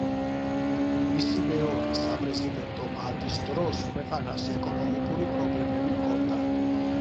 მისი მეორე საპრეზიდენტო ვადის დროს ქვეყანას ეკონომიკური პრობლემები ჰქონდა.